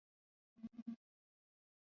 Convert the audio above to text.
把政治和业务融为一体